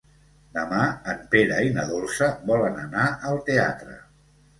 Demà en Pere i na Dolça volen anar al teatre.